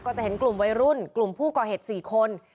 จะเห็นกลุ่มวัยรุ่นกลุ่มผู้ก่อเหตุ๔คน